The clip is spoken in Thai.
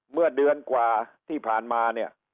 เมื่อเดือนกว่าที่ผ่านมาเนี่ย